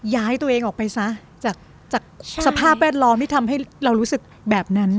ย้ายตัวเองออกไปซะจากสภาพแวดล้อมที่ทำให้เรารู้สึกแบบนั้น